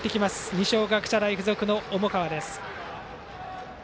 二松学舎大付属の重川。